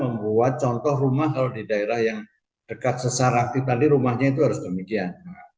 membuat contoh rumah kalau di daerah yang dekat sesar aktif tadi rumahnya itu harus demikian